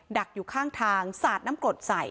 ักอยู่ข้างทางสาดน้ำกรดใส่